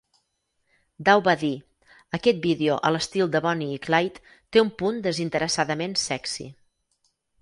Daw va dir: "Aquest vídeo a l'estil de Bonnie i Clyde té un punt desinteressadament 'sexy'".